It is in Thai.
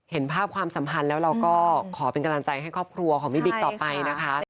เห็นภาพความสัมพันธ์แล้วเราก็ขอเป็นกำลังใจให้ครอบครัวของพี่บิ๊กต่อไปนะคะ